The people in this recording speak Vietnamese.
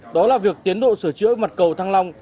đó là việc tiến độ sửa chữa mặt cầu thăng long